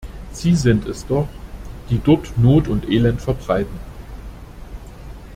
Sie sind es doch, die dort Not und Elend verbreiten.